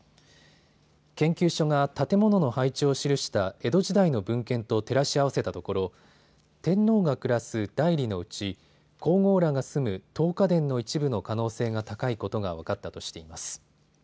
研究所が建物の配置を記した江戸時代の文献と照らし合わせたところ天皇が暮らす内裏のうち皇后らが住む登華殿の一部の可能性が高いことが分かったとしています。